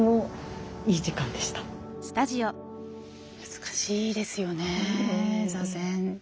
難しいですよね座禅。